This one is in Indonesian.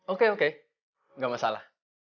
oke oke gak masalah